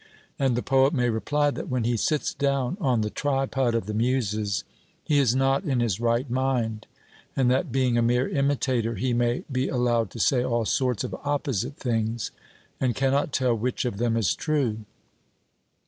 And the poet may reply, that when he sits down on the tripod of the Muses he is not in his right mind, and that being a mere imitator he may be allowed to say all sorts of opposite things, and cannot tell which of them is true.